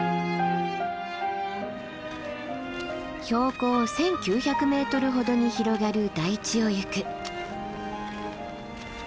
標高１，９００ｍほどに広がる台地を行く。